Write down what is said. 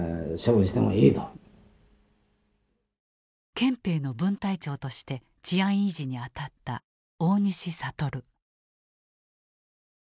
憲兵の分隊長として治安維持に当たった大西覚。